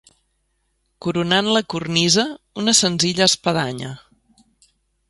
Coronant la cornisa, una senzilla espadanya.